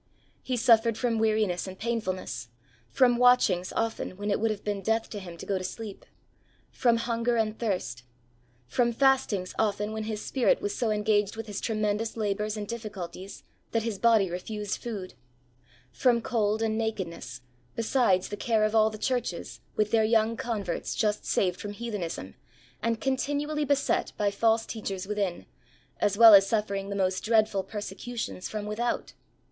He suffered from weariness and painfulness ; from watchings often when it would have been death to him to go to sleep ; from hunger and thirst, from fastings often when his spirit was so engaged with his tremendous labours and difficulties that his body refused food; from cold and nakedness, besides the care of all the churches with their young converts just saved from heathenism and continually beset by false teachers within, as well as suffering the most dreadful persecutions from without.